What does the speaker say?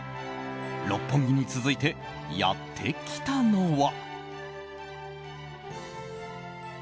六本木に続いてやってきたのは。